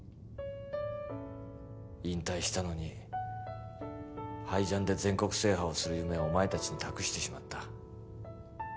引退したのにハイジャンで全国制覇をする夢をお前たちに託してしまった。